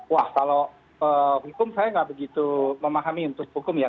wah kalau hukum saya nggak begitu memahami untuk hukum ya